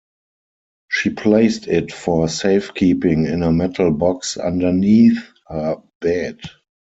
She placed it for safekeeping in a metal box underneath her bed.